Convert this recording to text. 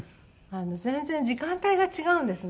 全然時間帯が違うんですね。